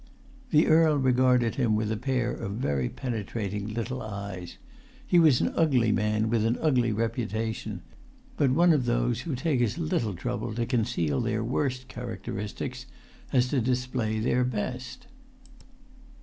The earl regarded him with a pair of very penetrating little eyes; he was an ugly man with an ugly reputation, but one of those who take as little trouble[Pg 237] to conceal their worst characteristics as to display their best.